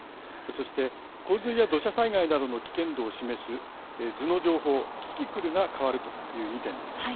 そして、洪水や土砂災害などの危険度を示す図の情報「キキクル」が変わるという２点です。